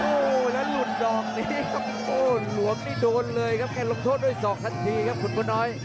โอ้โหแล้วหลุดดอกนี้ครับโอ้หลวมนี่โดนเลยครับแค่ลงโทษด้วยศอกทันทีครับคุณบัวน้อย